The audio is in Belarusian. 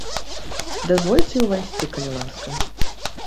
Дазвольце ўвайсці, калі ласка!